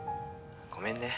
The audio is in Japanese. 「ごめんね」